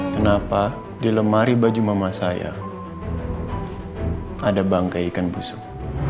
kenapa di lemari baju mama saya ada bangkai ikan busuk